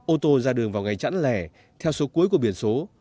ô tô ra đường vào ngày chẵn lẻ theo số cuối của biển số